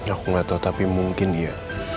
aku gak tau tapi mungkin iya